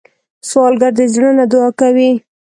سوالګر د زړه نه دعا کوي